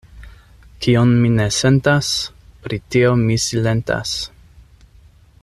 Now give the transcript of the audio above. Kion mi ne sentas, pri tio mi silentas.